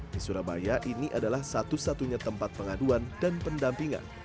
di surabaya ini adalah satu satunya tempat pengaduan dan pendampingan